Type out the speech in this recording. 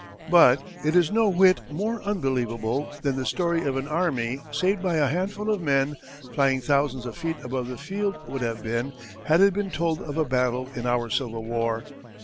But it is no whit more unbelievable than the story of an army saved by a handful of men flying thousands of feet above the field would have been had it been told of a battle in our Civil War.